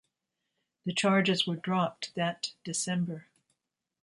The charges were dropped that December.